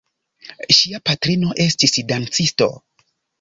Ŝia patrino estis dancisto.